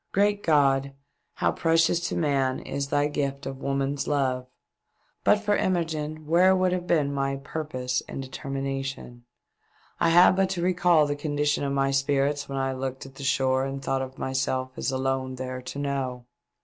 Great God ! How precious to man is Thy gift of woman's love! But for Imogene where would have been mv Durpose and 468 THE DEATH SHIP. determination ? I have but to recall the condition of my spirits when I looked at the shore and thought of myself as alone there to know.